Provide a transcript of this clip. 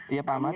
iya pak ahmad